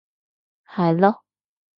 係囉